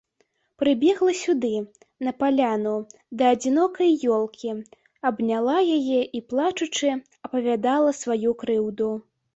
Прыбегла сюды, на паляну, да адзінокай ёлкі, абняла яе і, плачучы, апавядала сваю крыўду.